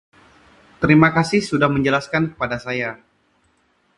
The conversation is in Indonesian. Terima kasih sudah menjelaksan kepada saya